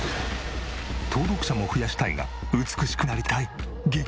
登録者も増やしたいが美しくなりたい。